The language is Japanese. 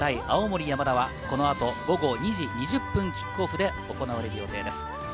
青森山田は、この後、午後２時２０分キックオフで行われる予定です。